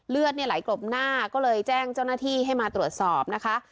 เลือดเนี่ยไหลกลบหน้าก็เลยแจ้งเจ้าหน้าที่ให้มาตรวจสอบนะคะ